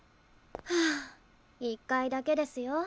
はあ１回だけですよ。